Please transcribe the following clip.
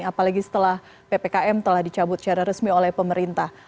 apalagi setelah ppkm telah dicabut secara resmi oleh pemerintah